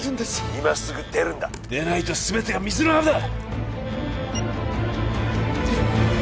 今すぐ出るんだ出ないと全てが水の泡だ！